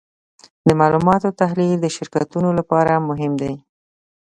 د معلوماتو تحلیل د شرکتونو لپاره مهم دی.